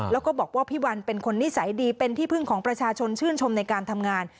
แล้วก็บอกว่าพี่วันเป็นคนนิสัยดีเป็นที่พึ่งของประชาชนชื่นชมในการทำงาน